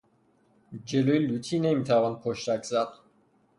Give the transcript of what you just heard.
جلوی لوطی نمیتوان پشتک زد.